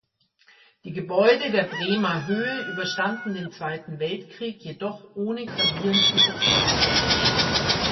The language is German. Die Gebäude der Bremer Höhe überstanden den Zweiten Weltkrieg jedoch ohne gravierenden Substanzverlust.